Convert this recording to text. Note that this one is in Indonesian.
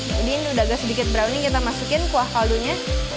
jadi ini udah agak sedikit browning kita masukin kuah kaldu nya